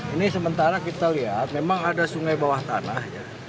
ini sementara kita lihat memang ada sungai bawah tanah